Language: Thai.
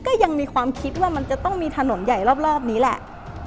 ก็ยังมีความคิดว่ามันจะต้องมีถนนใหญ่รอบนี้แหละ